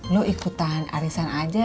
lo ikutan arisan aja